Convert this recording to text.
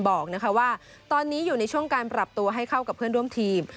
บอกว่าตอนนี้อยู่ในช่วงการปรับตัวให้เข้ากับเพื่อนร่วมทีม